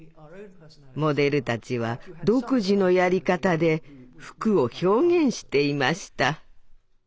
モデルたちは独自のやり方で服を表現していました。